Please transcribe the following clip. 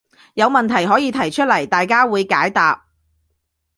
有問題可以提出來，大家會解答